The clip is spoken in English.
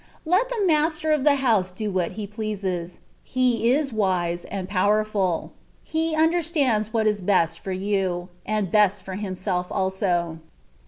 * Let the master of the house do what he pleases; He is wise and powerful; He understands what is best for you, and best for himself also.